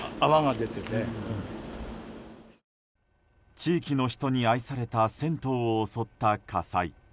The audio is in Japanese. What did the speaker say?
地域の人に愛された銭湯を襲った火災。